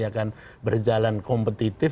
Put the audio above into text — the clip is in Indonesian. akan berjalan kompetitif